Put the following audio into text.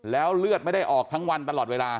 แล้วเลือดไม่ได้ออกทั้งวันตลอดเวลา